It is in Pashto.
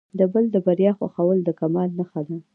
د بل د بریا خوښول د کمال نښه ده.